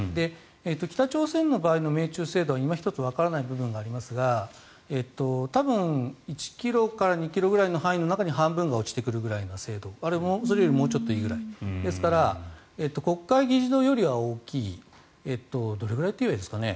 北朝鮮の場合の命中精度はいま一つわからない部分がありますが多分、１ｋｍから２ｋｍぐらいの範囲の中に半分が落ちてくるぐらいの精度それよりもうちょっといいくらいですから国会議事堂よりは大きいどれぐらいといえばいいですかね。